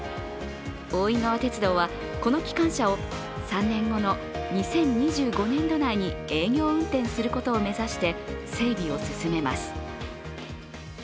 大井川鉄道はこの機関車を３年後の２０２５年度内に営業運転することを目指して整備を進めます。